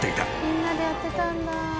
みんなでやってたんだ。